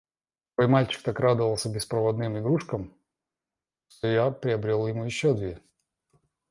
Мой мальчик так радовался беспроводным игрушкам, что я приобрёл ему ещё две.